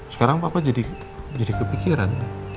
sekarang papa jadi kepikiran